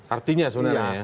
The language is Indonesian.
artinya sebenarnya ya